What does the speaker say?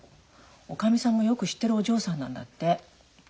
おかみさんもよく知ってるお嬢さんなんだって。